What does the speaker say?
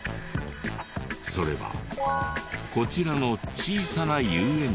それはこちらの小さな遊園地に。